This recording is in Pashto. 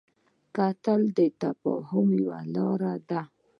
کتل د تفاهم یوه لاره ده